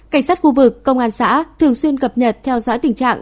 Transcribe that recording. cảnh sát khu vực công an xã thường xuyên cập nhật theo dõi tình trạng